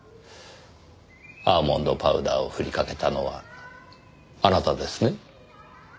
アーモンドパウダーをふりかけたのはあなたですね？